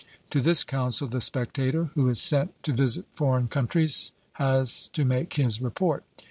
To this council the 'Spectator,' who is sent to visit foreign countries, has to make his report.